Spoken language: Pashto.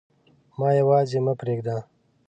ما یواځي مه پریږده